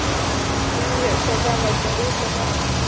与野车站的铁路车站。